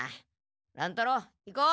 乱太郎行こう。